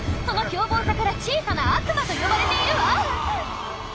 その凶暴さから「小さな悪魔」と呼ばれているわ。